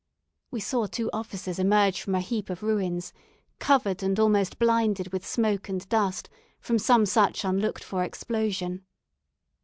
We saw two officers emerge from a heap of ruins, covered and almost blinded with smoke and dust, from some such unlooked for explosion.